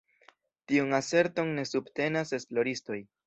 Tiun aserton ne subtenas esploristoj.